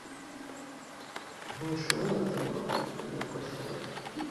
Ntishobora kuvaho .Birakosowe .